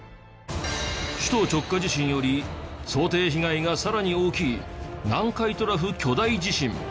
首都直下地震より想定被害が更に大きい南海トラフ巨大地震。